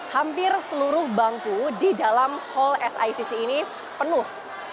hampir seluruh bangku di dalam hall sicc ini penuh